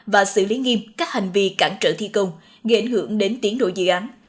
và xử lý nghiêm các hành vi cản trở thi công gây ảnh hưởng đến tiến độ dự án